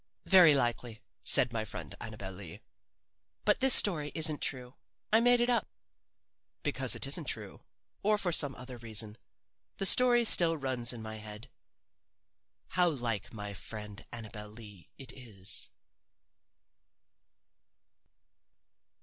"Very likely," said my friend Annabel Lee. "But this story isn't true. I made it up." Because it isn't true, or for some other reason, the story still runs in my head. How like my friend Annabel Lee it is!